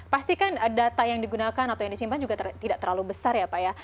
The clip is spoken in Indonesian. pasti kan data yang digunakan atau yang disimpan juga tidak terlalu besar ya pak ya